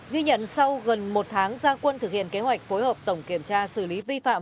ghi nhận sau gần một tháng gia quân thực hiện kế hoạch phối hợp tổng kiểm tra xử lý vi phạm